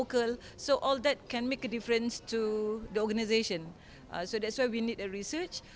dan juga tentang bagaimana negara tersebut berpengaruh